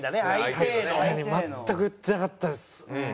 全く言ってなかったですね。